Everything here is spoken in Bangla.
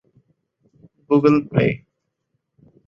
Google Play